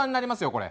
これ。